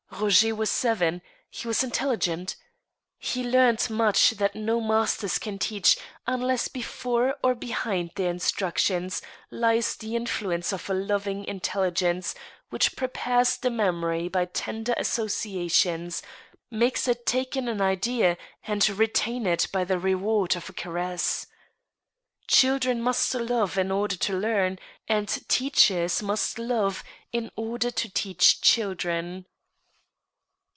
Roger was seven; he was intelligent. He learned much that no masters can teach unless before or behind their in structions lies the influence of a loving intelligence which prepares the memory by tender associations, makes it take in an idea, and re* tain it by the reward of a caress. Children must love in order to learn, and teachers must love in order to teach children.